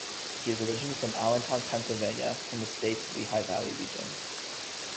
He is originally from Allentown, Pennsylvania, in the state's Lehigh Valley region.